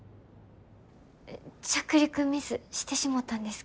え着陸ミスしてしもたんですけど。